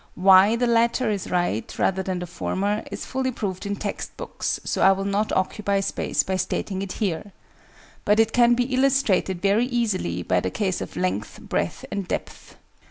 Why the latter is right, rather than the former, is fully proved in text books, so I will not occupy space by stating it here: but it can be illustrated very easily by the case of length, breadth, and depth.